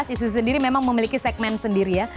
isu sendiri memang memiliki segmen sendiri ya